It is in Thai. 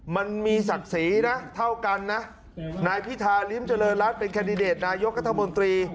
มันมีศักดิ์ศรีนะเท่ากันนะนายพิธาริมเจริญรัฐเป็นแคนดิเดตนายกัธมนตรี